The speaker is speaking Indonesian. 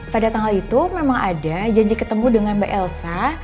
pada tanggal itu memang ada janji ketemu dengan mbak elsa